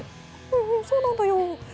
うんうん、そうなんだよ。